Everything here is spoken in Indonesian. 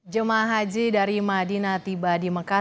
jemaah haji dari madinah tiba di mekah